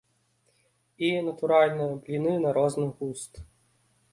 І, натуральна, бліны на розны густ.